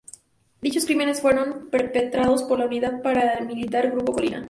Dichos crímenes fueron perpetrados por la unidad paramilitar Grupo Colina.